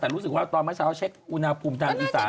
แต่รู้สึกว่าตอนเมื่อเช้าตอนเช็คอุณหภูมิต่ำแอปอีแสน